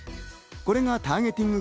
これがターゲティング